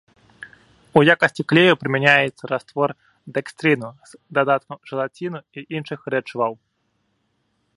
У якасці клею прымяняецца раствор дэкстрыну з дадаткам жэлаціну і іншых рэчываў.